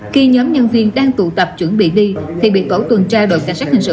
khi nhóm nhân viên đang tụ tập chuẩn bị đi thì bị tổ tuần tra đội cảnh sát hình sự